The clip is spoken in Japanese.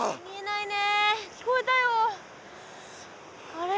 あれ？